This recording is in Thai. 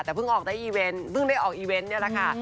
แต่เพิ่งได้ออกอีเวนต์แล้วนะคะ